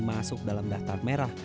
masuk dalam daftar merah